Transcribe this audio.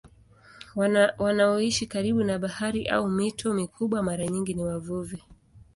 Wanaoishi karibu na bahari au mito mikubwa mara nyingi ni wavuvi.